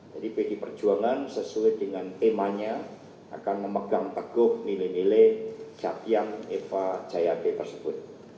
jadi pd perjuangan sesuai dengan temanya akan memegang teguh nilai nilai jatian eva jayade tersebut